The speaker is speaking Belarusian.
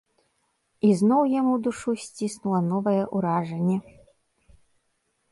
І зноў яму душу сціснула новае ўражанне.